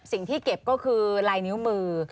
สิ่งที่เก็บก็คือลายนิ้วมือ